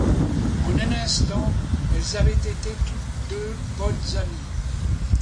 En un instant, elles avaient été toutes deux bonnes amies.